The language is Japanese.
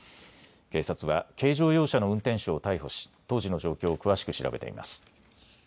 警察は軽乗用車の運転手を逮捕し当時の状況を詳しく調べています。